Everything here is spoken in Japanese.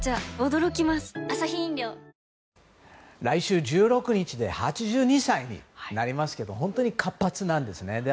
来週１６日で８２歳になりますが本当に活発なんですね。